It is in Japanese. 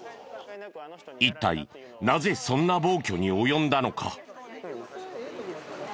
一体なぜそんな暴挙に及んだのか？